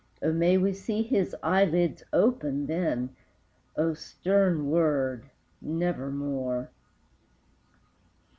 O, may we see his eyelids open then! O stern word Nevermore!